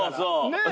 ねえ。